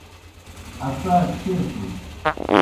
اسا کھیسَس۔